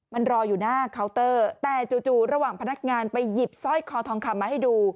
มันรออยู่หน้าเคาน์เตอร์แต่จู่ระหว่างพนักงานไปหยิบสร้อยคอทองคำมาให้ดู